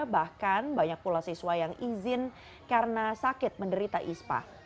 bahkan banyak pula siswa yang izin karena sakit menderita ispa